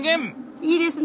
いいですね